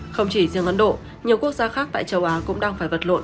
không chỉ riêng ấn độ nhiều quốc gia khác tại châu á cũng đang phải vật lộn